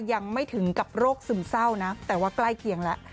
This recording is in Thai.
ยังไม่ถึงกับโรคซึมเศร้านะแต่ว่าใกล้เคียงแล้ว